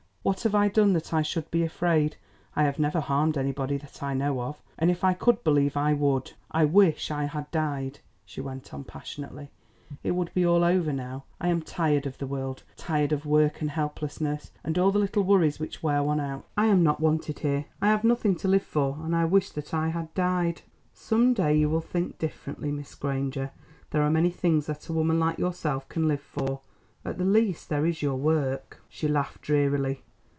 What have I done that I should be afraid? I have never harmed anybody that I know of, and if I could believe I would. I wish I had died," she went on, passionately; "it would be all over now. I am tired of the world, tired of work and helplessness, and all the little worries which wear one out. I am not wanted here, I have nothing to live for, and I wish that I had died!" "Some day you will think differently, Miss Granger. There are many things that a woman like yourself can live for—at the least, there is your work." She laughed drearily.